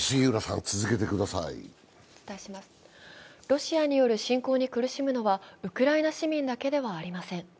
ロシアによる侵攻に苦しむのはウクライナ市民だけではありません。